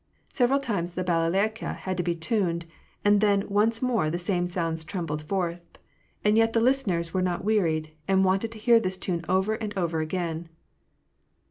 Several times the balalaika had to be tuned, and then once more the same sounds trembled forth ; and yet the lis teners were not wearied, and wanted to hear this tune over and over again.